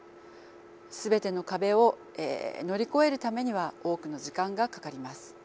全ての壁を乗り越えるためには多くの時間がかかります。